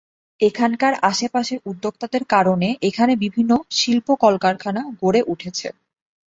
এখানকার আশেপাশের উদ্যোক্তাদের কারণে এখানে বিভিন্ন শিল্প কলকারখানা গড়ে উঠেছে।